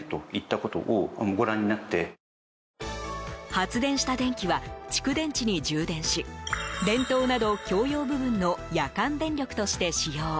発電した電気は蓄電池に充電し電灯など共用部分の夜間電力として使用。